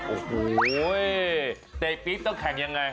โอ้โหเตะปี๊บต้องแข่งยังไง